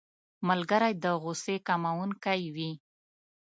ملګری د غوسې کمونکی وي